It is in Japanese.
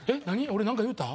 俺なんか言うた？